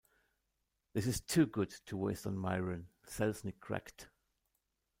"This is too good to waste on Myron," Selznick cracked.